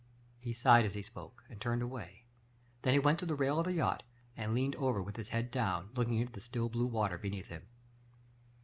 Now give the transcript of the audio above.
He sighed as he spoke, and turned away. Then he went to the rail of the yacht and leaned over with his head down, looking into the still blue water beneath him.